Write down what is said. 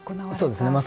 そうですね。